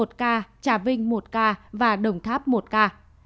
tây ninh một ca trà vinh một ca và đồng tháp một ca